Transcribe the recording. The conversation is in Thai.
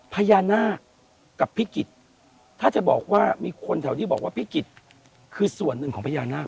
พญานาคกับพิกิจถ้าจะบอกว่ามีคนแถวที่บอกว่าพิกิจคือส่วนหนึ่งของพญานาค